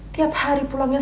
tiap hari pulangnya